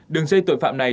đường dây tội phạm này